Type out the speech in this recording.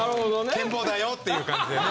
「ケン坊だよ」っていう感じでね。